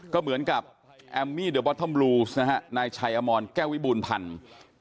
ก็เหมือนกับแอมมี่เดอะบอตเทิมลูสนายชายอามอนแก้ววิบูลพันธุ์